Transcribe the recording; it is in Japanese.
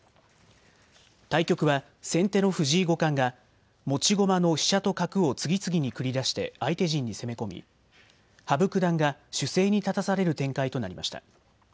対局は先手の藤井五冠が持ち駒の飛車と核を次々に繰り出して相手陣に攻め込み羽生九段が守勢に立たされる展開となりました。